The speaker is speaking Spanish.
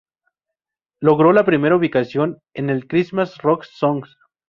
Logró la primera ubicación en el Christian Rock Songs.